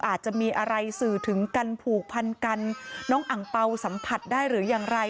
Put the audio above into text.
อาจจะมีอะไรสื่อถึงกันผูกพันกันน้องอังเปล่าสัมผัสได้หรือยังไร